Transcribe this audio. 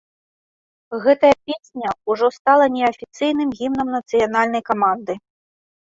Гэтая песня ўжо стала неафіцыйным гімнам нацыянальнай каманды.